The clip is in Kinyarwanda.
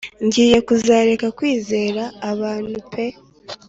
Ngiye kuzareka kwizera abantu pe